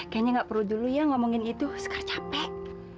kayaknya nggak perlu dulu ya ngomongin itu sekarang capek